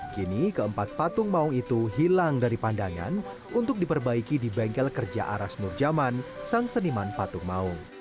kini keempat patung maung itu hilang dari pandangan untuk diperbaiki di bengkel kerja aras nurjaman sang seniman patung maung